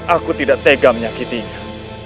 aku tidak tega menyakitinya